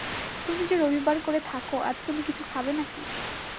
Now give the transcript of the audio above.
তুমি যে রবিবার করে থাক, আজ তুমি কিছু খাবে নাকি?